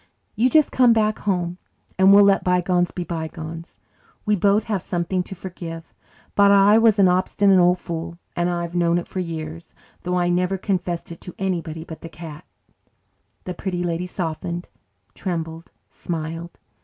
You just come back home and we'll let bygones be bygones. We both have something to forgive, but I was an obstinate old fool and I've known it for years, though I never confessed it to anybody but the cat." The Pretty Lady softened, trembled, smiled.